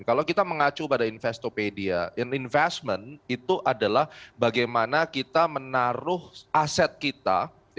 kalau kita mengacu pada investopedia yang investment itu adalah bagaimana kita menaruh aset kita